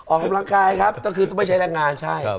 ออกกำลังกายครับต้องคือไม่ใช้แรงงานใช่